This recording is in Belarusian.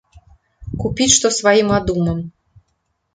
Купіць што сваім адумам.